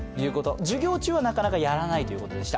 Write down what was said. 授業中はなかなかやらないということでした。